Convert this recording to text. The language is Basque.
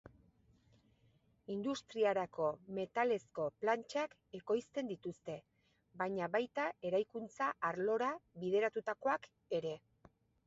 Industriarako metalezko plantxak ekoizten dituzte, baina baita eraikuntza arlora bideratutakoak ere.